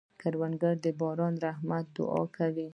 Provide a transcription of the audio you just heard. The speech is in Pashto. کروندګر د باران د رحمت دعا کوي